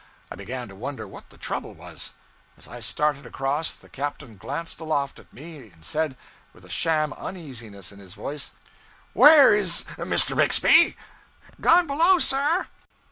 I began to wonder what the trouble was. As I started across, the captain glanced aloft at me and said, with a sham uneasiness in his voice 'Where is Mr. Bixby?' 'Gone below, sir.'